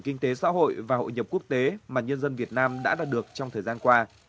kinh tế xã hội và hội nhập quốc tế mà nhân dân việt nam đã đạt được trong thời gian qua